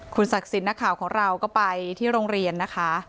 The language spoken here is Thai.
ศักดิ์สิทธิ์นักข่าวของเราก็ไปที่โรงเรียนนะคะ